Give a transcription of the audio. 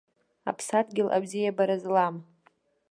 Аԥсадгьыл абзиабара злам.